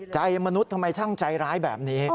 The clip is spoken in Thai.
มนุษย์ทำไมช่างใจร้ายแบบนี้